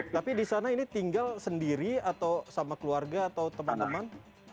tapi di sana ini tinggal sendiri atau sama keluarga atau teman teman